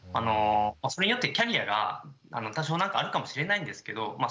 それによってキャリアが多少なんかあるかもしれないんですけどまあ